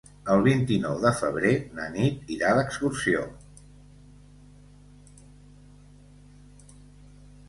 El vint-i-nou de febrer na Nit irà d'excursió.